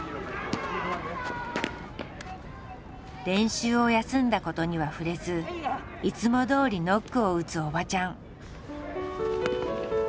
練習を休んだことには触れずいつもどおりノックを打つおばちゃん。